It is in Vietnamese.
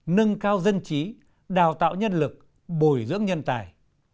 nâng cao dân trí đào tạo nhân lực bồi dưỡng nhân tài